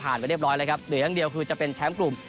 ผ่านไปเรียบร้อยเลยครับเดี๋ยวอย่างเดียวคือจะเป็นแชมป์กลุ่ม